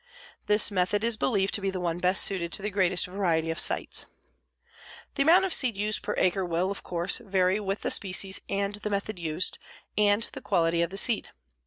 This method is believed to be the one best suited to the greatest variety of sites. The amount of seed used per acre will, of course, vary with the species and the method used, and the quality of the seed.